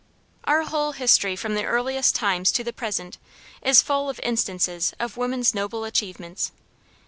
Our whole history from the earliest times to the present, is full of instances of woman's noble achievements.